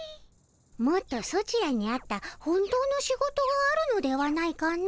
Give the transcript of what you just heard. もっとソチらに合った本当の仕事があるのではないかの。